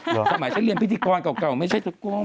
คือตอนสมัยชั้นเรียนพิธีกรเก่าไม่ใช่ทุกกรม